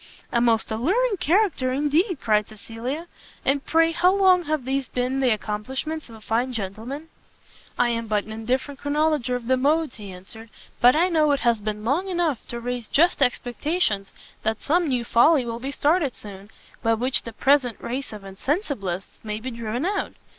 "A most alluring character indeed!" cried Cecilia; "and pray how long have these been the accomplishments of a fine gentleman?" "I am but an indifferent chronologer of the modes," he answered, "but I know it has been long enough to raise just expectations that some new folly will be started soon, by which the present race of INSENSIBLISTS may be driven out.